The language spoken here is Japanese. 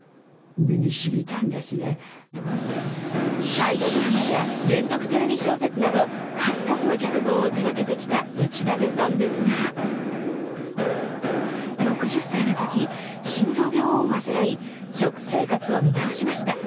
大河ドラマや連続テレビ小説など、数々の脚本を手がけてきた内館さんですが６０歳のとき、心臓病を患い、食生活を見直しました。